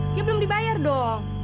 dia belum dibayar dong